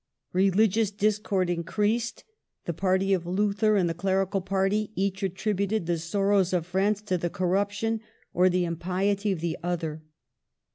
Religious dis cord increased. The party of Luther and the Clerical party each attributed the sorrows of France to the corruption or the impiety of the other.